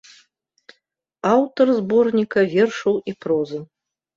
Аўтар зборніка вершаў і прозы.